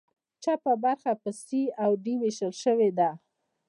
چپه برخه په سي او ډي ویشل شوې ده.